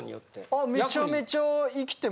あっめちゃめちゃいきてますね。